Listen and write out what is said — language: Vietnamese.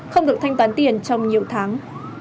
không được thanh toán tiền trong nhiều tháng